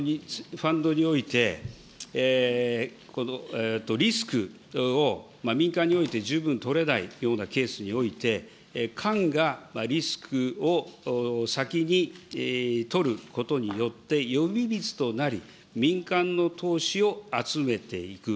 ファンドにおいて、リスクを民間において十分とれないようなケースにおいて、官がリスクを先に取ることによって、呼び水となり、民間の投資を集めていく。